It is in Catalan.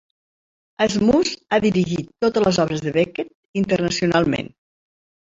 Asmus ha dirigit totes les obres de Beckett internacionalment.